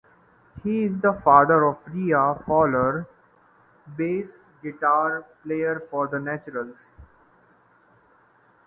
He is the father of Rhea Fowler, bass guitar player for the Naturals.